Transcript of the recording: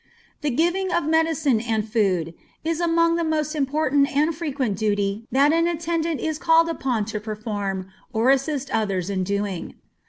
The giving of medicine and food is among the most important and frequent duty that an attendant is called upon to perform, or assist others in doing.